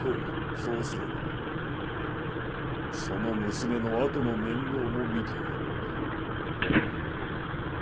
そうすればその娘の後の面倒も見てやろう。